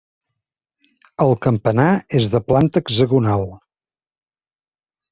El campanar és de planta hexagonal.